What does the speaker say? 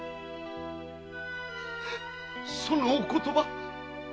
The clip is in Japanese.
そのお言葉。